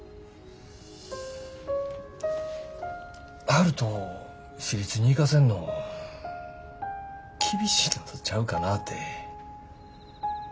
悠人私立に行かせんの厳しいのとちゃうかなぁて。